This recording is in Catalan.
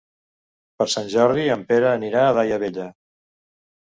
Per Sant Jordi en Pere anirà a Daia Vella.